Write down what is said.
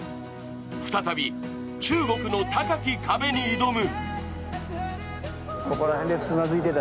再び、中国の高き壁に挑む。